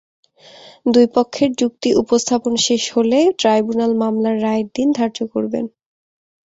দুই পক্ষের যুক্তি উপস্থাপন শেষ হলে ট্রাইব্যুনাল মামলার রায়ের দিন ধার্য করবেন।